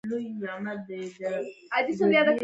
تورکى چې يو څه غټ سو.